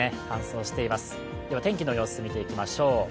天気の様子を見ていきましょう。